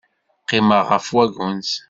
Qqimeɣ ɣef wagens.